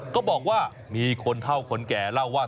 ก็บอกว่ามีคนเท่าคนแก่เล่าว่า